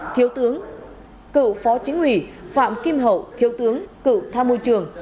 thiếu tướng cựu phó chính ủy phạm kim hậu thiếu tướng cựu tham mưu trường